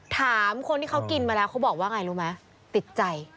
ถามคนที่เขากินมาแล้วเขาบอกว่าไงรู้ไหมติดใจ